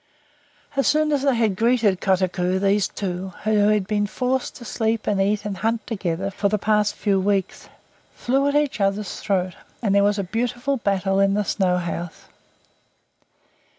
As soon as they had greeted Kotuko, these two, who had been forced to sleep and eat and hunt together for the past few weeks, flew at each other's throat, and there was a beautiful battle in the snow house.